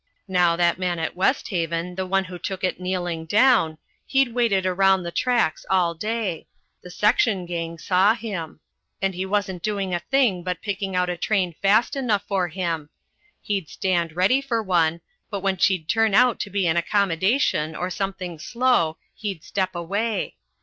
Now, that man at West Haven, the one who took it kneeling down, he'd waited around the tracks all day the section gang saw him and he wasn't doing a thing but picking out a train fast enough for him. He'd stand ready for one, but when she'd turn out to be an accommodation or something slow he'd step away.